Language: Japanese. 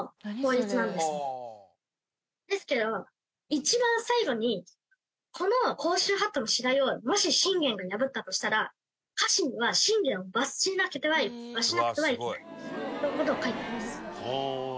一番最後にこの甲州法度之次第をもし信玄が破ったとしたら家臣は信玄を罰しなくてはいけないという事が書いてあります。